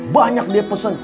banyak dia pesen